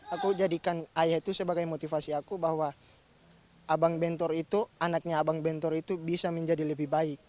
aku jadikan ayah itu sebagai motivasi aku bahwa abang bentor itu anaknya abang bentor itu bisa menjadi lebih baik